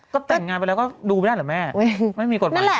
ก็แต่งงานไปแล้วก็ดูไม่ได้เหรอแม่ไม่มีกฎหมาย